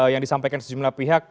yang disampaikan sejumlah pihak